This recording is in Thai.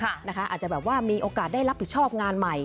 อาจจะแบบว่ามีโอกาสได้รับผิดชอบงานใหม่